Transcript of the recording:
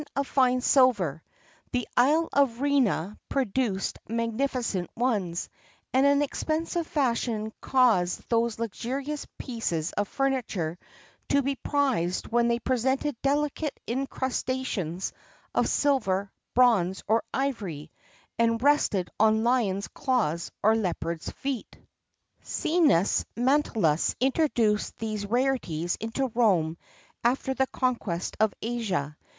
[XXXII 7] The isle of Rhenea produced magnificent ones,[XXXII 8] and an expensive fashion caused those luxurious pieces of furniture to be prized when they presented delicate incrustations of silver, bronze, or ivory, and rested on lions' claws or leopards' feet.[XXXII 9] Cneus Manlius introduced these rarities into Rome after the conquest of Asia.